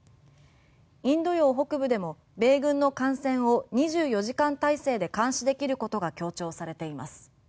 インド洋北部でも米軍の艦船を２４時間体制で監視できることが強調されています。